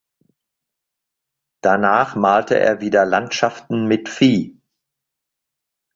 Danach malte er wieder Landschaften mit Vieh.